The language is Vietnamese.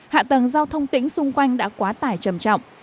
hạ tầng giao thông tỉnh xung quanh đã quá tải trầm trọng